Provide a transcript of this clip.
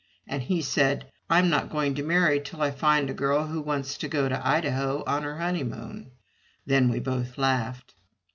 And he said, "I'm not going to marry till I find a girl who wants to go to Idaho on her honeymoon!" Then we both laughed.